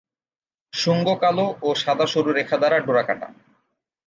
শুঙ্গ কালো ও সাদা সরু রেখা দ্বারা ডোরাকাটা।